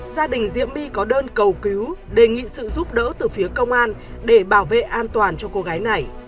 gia đình diễm my có đơn cầu cứu đề nghị sự giúp đỡ từ phía công an để bảo vệ an toàn cho cô gái này